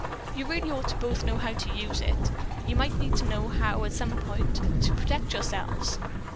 "You really ought to both know how to use it. You might need to know how some time to protect yourselves."